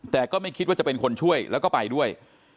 แต่ก็ไม่คิดว่าจะเป็นคนช่วยแล้วก็ไปด้วย